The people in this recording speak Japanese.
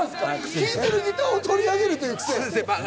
弾いているギターを取り上げるという癖。